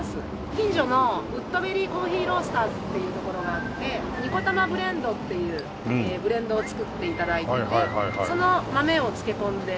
近所のウッドベリーコーヒーロースターズっていう所があって二子玉ブレンドっていうブレンドを作って頂いてその豆を漬け込んで。